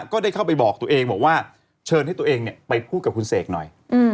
ก็ได้เข้าไปบอกตัวเองบอกว่าเชิญให้ตัวเองไปพูดกับคุณเสกหน่อย